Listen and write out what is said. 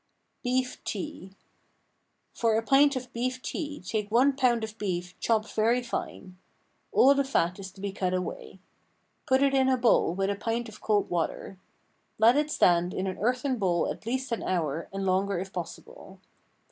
BEEF TEA. For a pint of beef tea take one pound of beef chopped very fine. All the fat is to be cut away. Put it in a bowl with a pint of cold water. Let it stand in an earthen bowl at least an hour, and longer if possible.